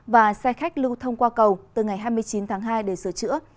và xe khách lưu thông qua cầu từ ngày hai mươi chín tháng hai để sửa chữa